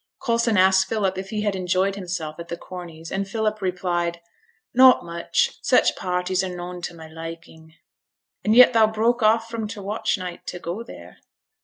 Coulson asked Philip if he had enjoyed himself at the Corneys', and Philip replied, 'Not much; such parties are noane to my liking.' 'And yet thou broke off from t' watch night to go there.'